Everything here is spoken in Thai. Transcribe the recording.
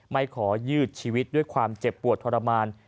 ไม่ขอยืดชีวิตด้วยความเจ็บปวดทรมาน